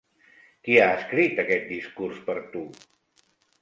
Qui ha escrit aquest discurs per tu?